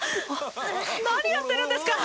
何やってるんですか？